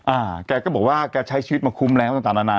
อะแกก็บอกว่าแกใช้ชีวิตมาคุ้มแรงมาตลางนะ